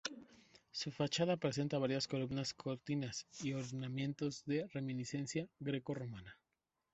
Su fachada presenta varias columnas corintias y ornamentos de reminiscencia greco-romana.